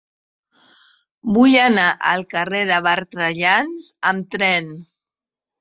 Vull anar al carrer de Bertrellans amb tren.